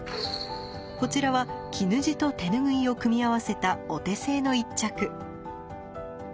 こちらは絹地と手ぬぐいを組み合わせたお手製の一着。